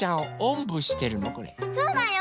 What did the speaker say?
そうだよ！